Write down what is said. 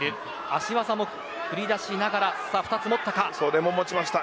足技も繰り出しながら２つ持ちました。